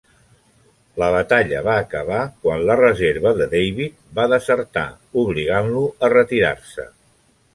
La batalla va acabar quan la reserva de David va desertar, obligant-lo a retirar-se.